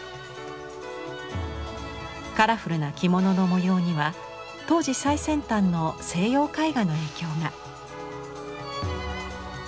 カラフルな着物の模様には当時最先端の西洋絵画の影響が。